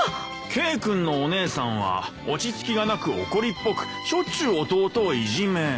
「Ｋ君のお姉さんは落ち着きがなく怒りっぽくしょっちゅう弟をいじめ」